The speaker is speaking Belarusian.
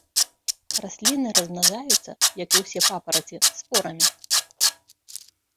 Расліны размнажаюцца, як і ўсе папараці, спорамі.